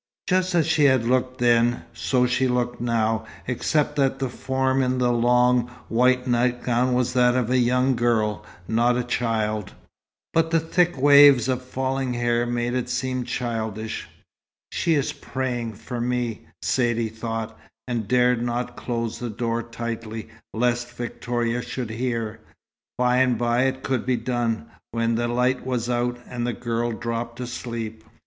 Just as she had looked then, so she looked now, except that the form in the long, white nightgown was that of a young girl, not a child. But the thick waves of falling hair made it seem childish. "She is praying for me," Saidee thought; and dared not close the door tightly, lest Victoria should hear. By and by it could be done, when the light was out, and the girl dropped asleep.